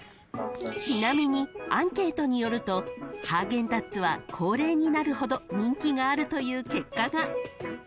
［ちなみにアンケートによるとハーゲンダッツは高齢になるほど人気があるという結果が］